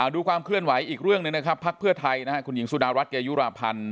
ดูความเคลื่อนไหวอีกเรื่องหนึ่งนะครับพักเพื่อไทยคุณหญิงสุดารัฐเกยุราพันธ์